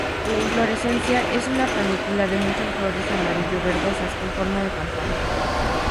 La inflorescencia es una panícula de muchas flores amarillo verdosas, con forma de campana.